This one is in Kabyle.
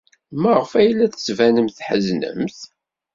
Maɣef ay la d-tettbanemt tḥeznemt?